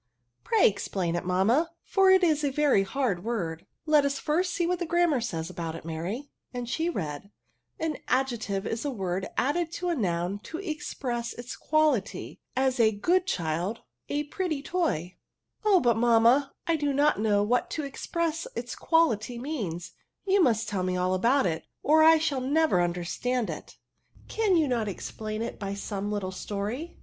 ^' Pray explain it, mamma, for it is a very .hard word." ^' Let us see first what the Grrammar says ^bout it} Mary;" and she read, —" An ad 26 ' ADJECnVES. jective is a word added to a nauiLto^jraqiress its quidrty ; as a good child, a pretty toy." '^ Oh but, mammay I do not know what to expresi its quaKty means ; you. must teU xne all about it, or I shall never understand it* Cannot you explain it by some little story